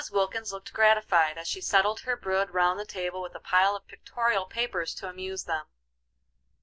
Wilkins looked gratified, as she settled her brood round the table with a pile of pictorial papers to amuse them.